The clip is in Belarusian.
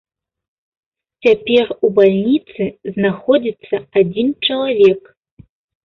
Цяпер у бальніцы знаходзіцца адзін чалавек.